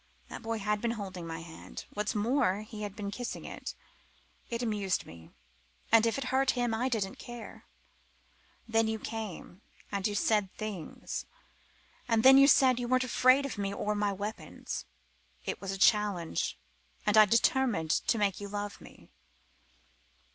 That boy had been holding my hand: what's more, he had been kissing it. It amused me, and if it hurt him I didn't care. Then you came. And you said things. And then you said you weren't afraid of me or my weapons. It was a challenge. And I determined to make you love me.